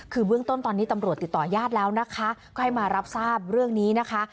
คือเบื้องต้นตอนนี้ตำรวจติดต่อยาดแล้วนะคะก็ให้มารับทราบเรื่องนี้นะคะ